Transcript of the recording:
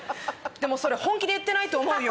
でも本気で言ってないと思うよ。